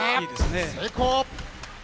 成功！